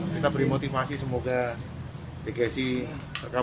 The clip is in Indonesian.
kita beri motivasi semoga dgsi berkebojakan